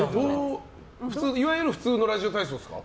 いわゆる普通のラジオ体操ですか？